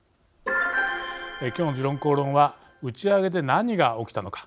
今日の「時論公論」は打ち上げで何が起きたのか。